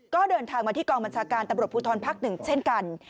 ก็เดินทางมาที่กองบัญชาการตำรวจภูทรภักดิ์๑เช่นกัน